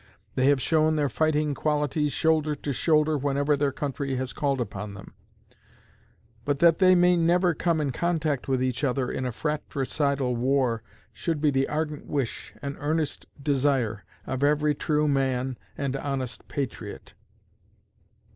They have shown their fighting qualities shoulder to shoulder whenever their country has called upon them; but that they may never come in contact with each other in a fratricidal war should be the ardent wish and earnest desire of every true man and honest patriot."